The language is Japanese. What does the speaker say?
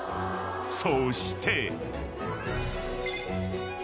［そして］